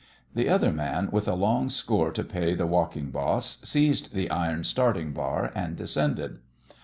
The other man, with a long score to pay the walking boss, seized the iron starting bar, and descended.